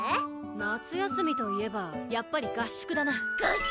夏休みといえばやっぱり合宿だな合宿！